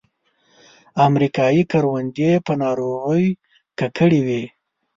امریکایي کروندې په ناروغیو ککړې وې.